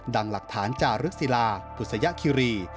ดังหลักฐานจารึกศิลปุศยคิรี